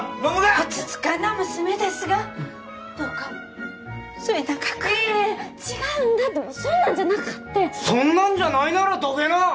ふつつかな娘ですがどうか末永くいやいや違うんだってそんなんじゃなかってそんなんじゃないならどげな！？